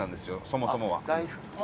そもそもは。